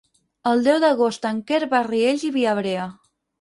El deu d'agost en Quer va a Riells i Viabrea.